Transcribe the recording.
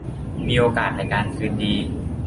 มีโอกาสในการคืนดี